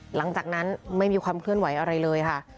หลังจากนั้นไม่มีความเคลื่อนไหวอะไรเลยค่ะ